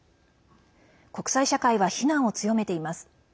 国際社会は非難を強めています。